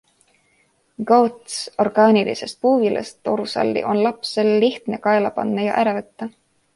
GOTS orgaanilisest puuvillast torusalli on lapsel lihtne kaela panna ja ära võtta.